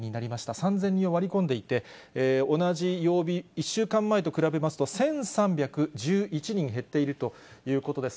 ３０００人を割り込んでいて、同じ曜日、１週間前と比べますと、１３１１人減っているということです。